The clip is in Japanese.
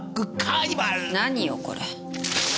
何よこれ。